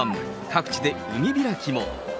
各地で海開きも。